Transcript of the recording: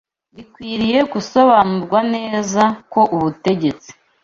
Bikwiriye gusobanurwa neza ko ubutegetsi